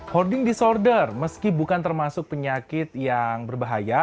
hoarding disorder meski bukan termasuk penyakit yang berbahaya